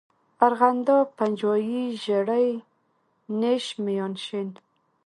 ارغنداب، پنجوائی، ژړی، نیش، میانشین.